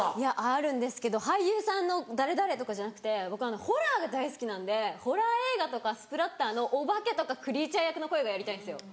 あるんですけど俳優さんの誰々とかじゃなくて僕ホラーが大好きなんでホラー映画とかスプラッターのお化けとかクリーチャー役の声がやりたいんですよ。